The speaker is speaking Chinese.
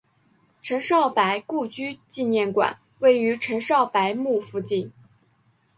陈少白故居纪念馆位于陈少白墓附近。